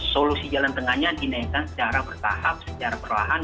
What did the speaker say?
solusi jalan tengahnya dinaikkan secara bertahap secara perlahan